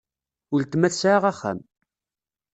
Uletma tesɛa axxam.